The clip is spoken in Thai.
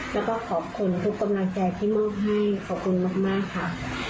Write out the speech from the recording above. แล้วก็ขอบคุณทุกกำลังใจที่มอบให้ขอบคุณมากค่ะ